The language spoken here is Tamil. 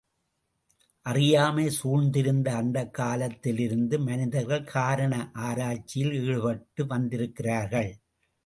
அறியாமை சூழ்ந்திருந்த அந்தக் காலத்திலிருந்து மனிதர்கள் காரண ஆராய்ச்சியில் ஈடுபட்டு வந்திருக்கிறார்கள்.